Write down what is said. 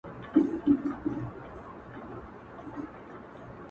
د هيندارو يوه لاره کي يې پرېښوم~